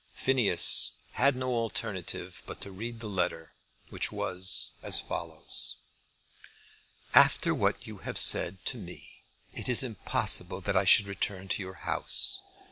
Phineas had no alternative but to read the letter, which was as follows: After what you have said to me it is impossible that I should return to your house.